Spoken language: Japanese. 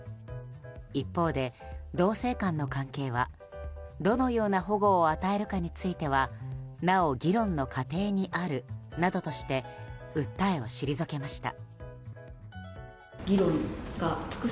一方で同性間の関係はどのような保護を与えるかについてはなお議論の過程にあるなどとして訴えを退けました。